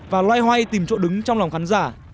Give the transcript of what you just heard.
và loay hoay tìm chỗ đứng trong lòng khán giả